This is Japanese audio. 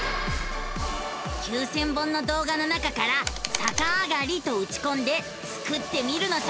９，０００本の動画の中から「さかあがり」とうちこんでスクってみるのさ！